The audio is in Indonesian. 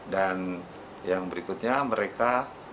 dan yang berikutnya mereka